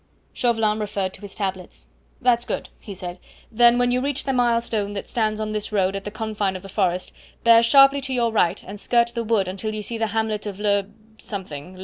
Chauvelin referred to his tablets. "That's good," he said; "then when you reach the mile stone that stands on this road at the confine of the forest, bear sharply to your right and skirt the wood until you see the hamlet of Le something.